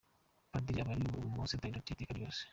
Padiri aba ari umusaseridoti iteka ryose.